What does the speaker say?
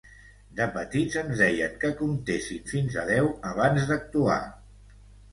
De petits ens deien que comptessim fins a deu abans d'actuar